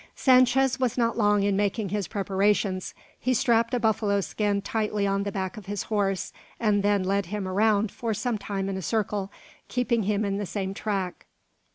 Sanchez was not long in making his preparations. He strapped a buffalo skin tightly on the back of his horse, and then led him round for some time in a circle, keeping him in the same track.